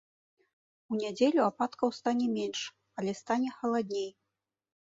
У нядзелю ападкаў стане менш, але стане халадней.